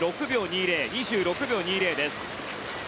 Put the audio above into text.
２６秒２０です。